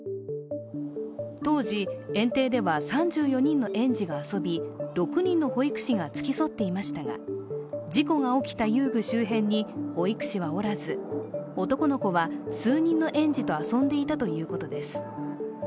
当時、園庭では３４人の園児が遊び６人の保育士が付き添っていましたが、事故が起きた遊具周辺に保育士はおらず男の子は数人の園児と遊んでいたということです。